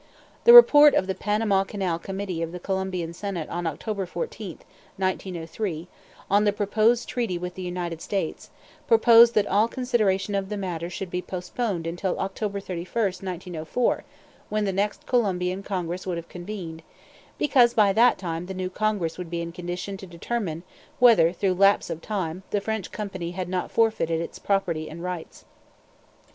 The report of the Panama Canal Committee of the Colombian Senate on October 14, 1903, on the proposed treaty with the United States, proposed that all consideration of the matter should be postponed until October 31, 1904, when the next Colombian Congress would have convened, because by that time the new Congress would be in condition to determine whether through lapse of time the French company had not forfeited its property and rights.